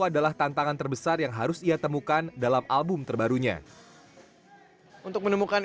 adalah tantangan terbesar yang harus ia temukan dalam album terbarunya untuk menemukan